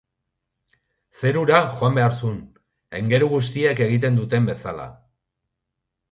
Zerura joan behar zuen, aingeru guztiek egiten duten bezala.